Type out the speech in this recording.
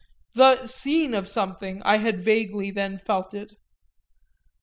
The "scene of something" I had vaguely then felt it?